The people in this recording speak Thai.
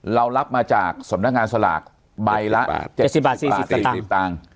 เรารับมาจากสำนักงานสลากใบละ๗๐บาท๔๐สตางค์